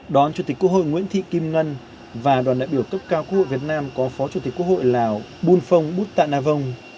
đón chủ tịch quốc hội nguyễn thị kim ngân và đoàn đại biểu cấp cao quốc hội việt nam có phó chủ tịch quốc hội lào bun phong butta navong